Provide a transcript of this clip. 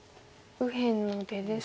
右辺の出ですね。